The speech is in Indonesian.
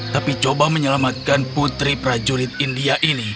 tapi coba menyelamatkan putri prajurit india ini